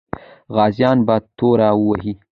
غازیان به توره وهي.